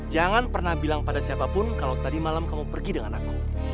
jangan pernah bilang pada siapapun kalau tadi malam kamu pergi dengan aku